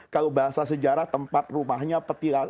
kalau bahasa sejarah tempat rumahnya peti langsung